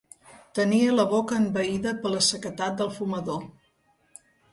Tenia la boca envaïda per la sequedat del fumador.